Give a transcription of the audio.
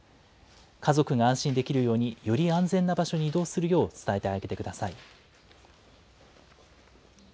家族が安心できるように、より安全な場所に移動するよう伝えてあげてください。